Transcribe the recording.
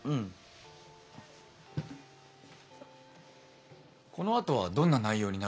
このあとはどんな内容になるんですか？